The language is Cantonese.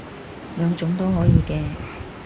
兩種都可以嘅